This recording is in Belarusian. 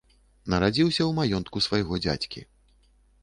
Нарадзіўся ў маёнтку свайго дзядзькі.